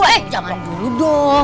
eh jangan buru dong